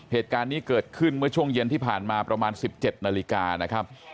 เหตุการณ์นี้เกิดขึ้นเมื่อช่วงเย็นที่ผ่านมาประมาณ๑๗นาฬิกานะครับ